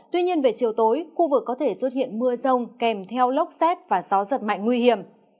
tuy nhiên về chiều tối khu vực có thể xuất hiện mưa rông kèm theo lốc xét và gió giật mạnh nguy hiểm